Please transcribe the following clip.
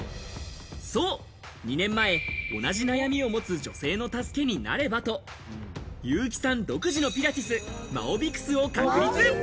そう、２年前、同じ悩みを持つ女性の助けになればと優木さん独自のピラティス、マオビクスを確立。